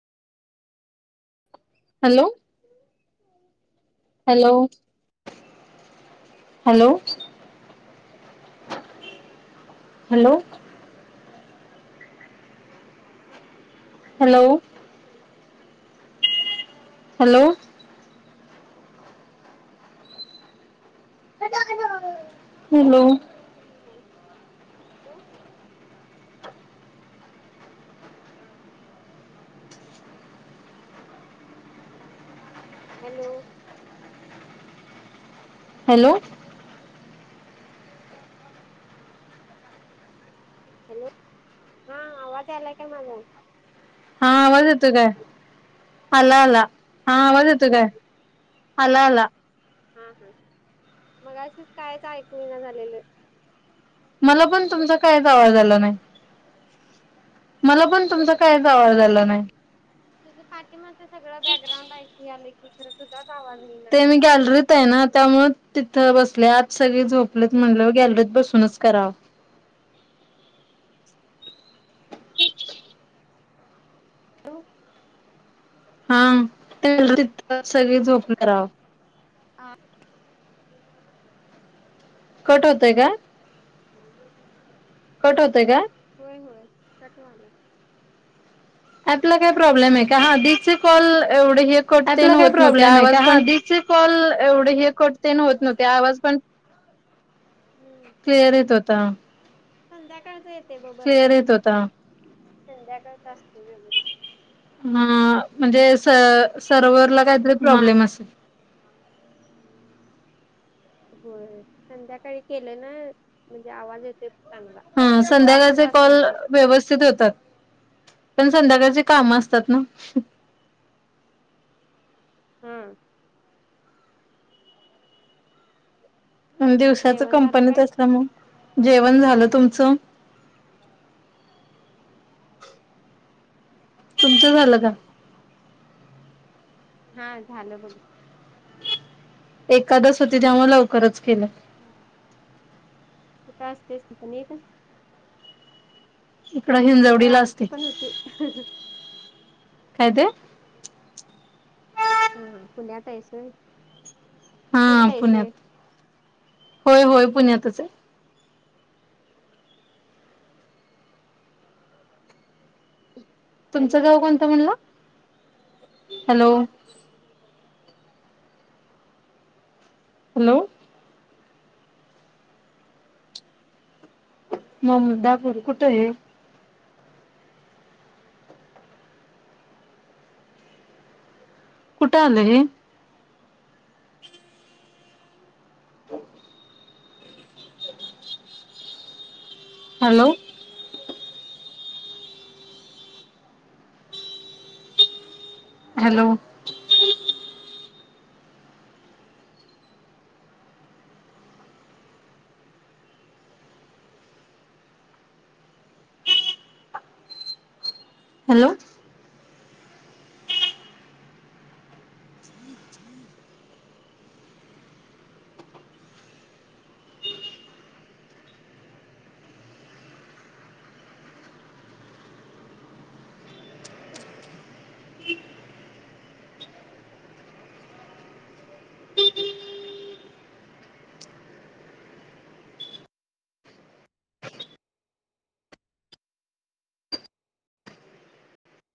Hello. Hello hello. Hello. Hello. Hello. Hello. Hello hello! हं [inaudible] hello! Hello! Hello, हा आवाज यालाय काय माझा? हा आवाज येतोय काय, आला आला. हा आवाज येतोय काय, आला आला. हा हा. मगाशी कायच ऐकू येना झालेलं. मला पण तुमचा कायच आवाज आला नाही. मला पण तुमचा कायच आवाज आला नाही, इथं पाठीमागं सगळं बॅकग्राउंड एकू यालय की खरं तुजाच आवाज येना. ते मी गॅलरीत आहे ना त्यामूळं तिथं बसले, आत सगळे झोपलेत म्हणले गॅलरीत बसूनच करावं. हां. तर तिथं सगळे झोप [unintelligible] ह [unintelligible] कट होतय काय? कट होतय काय. होय होय. कटवालाय. आपला काय प्रॉब्लेम हाय काय, हा दीचे कॉल एवढे हे कट ऍपला तेन काय होत नव्हते, प्रॉब्लेम आहे का आवाज हा पण आधीचे कॉल एवढे हे कट तेन होत नव्हते, आवाज पण क्लिअर येत होता. संध्याकाळच येतय बघ, क्लिअर येत होता, संध्याकाळचा असतय. [unintelligible] हा म्हणजे स सर्वरला काहीतरी हा प्रॉब्लेम असेल. होय होय, संध्याकाळी केलं ना, म्हणजे आवाज येतोय चांगला. हा संध्याकाळचे कॉल व्यवस्थित होतात. पण संध्याकाळचे कामं असतात ना, हं. हं. दोन दिवसाच कंपनीत असल्यामुळं मग जेवण झालं, तुमचं? तुमचं झालं काय? हा झालं बघ. एकादस होती त्यामुळं लवकरच केलं. हम्म. कुठं असतेच, इथं नाही का? इकडं हिंजवडीला असते. ती काय तेे हम्म हम्म, पुण्यात हायस होय. हा पुण्यात, होय होय पुण्यातच आहे. तुमचं गाव कोणतं म्हणला? हॅलो! हॅलो! ममदापूर, कुठं हे. कुठ आलं हे? हॅलो! हॅलो. हॅलो.